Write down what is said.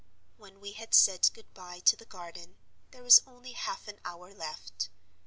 When we had said good by to the garden, there was only half an hour left.